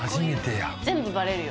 全部バレるよ。